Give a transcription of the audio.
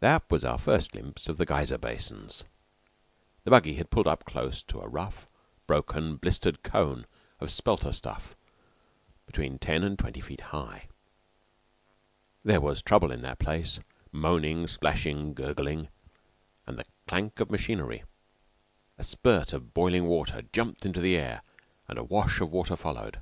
That was our first glimpse of the geyser basins. The buggy had pulled up close to a rough, broken, blistered cone of spelter stuff between ten and twenty feet high. There was trouble in that place moaning, splashing, gurgling, and the clank of machinery. A spurt of boiling water jumped into the air, and a wash of water followed.